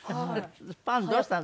パンどうしたの？